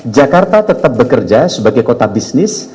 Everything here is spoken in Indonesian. jakarta tetap bekerja sebagai kota bisnis